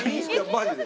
マジで。